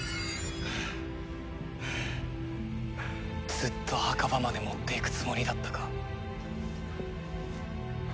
ずっと墓場まで持っていくつもりだったか？